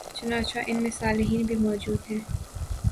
چنانچہ ان میں صالحین بھی موجود ہیں